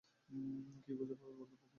কী খুঁজে পাবে বলতে পারব না।